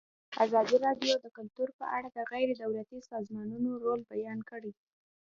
ازادي راډیو د کلتور په اړه د غیر دولتي سازمانونو رول بیان کړی.